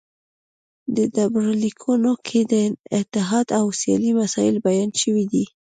په ډبرلیکونو کې د اتحاد او سیالۍ مسایل بیان شوي دي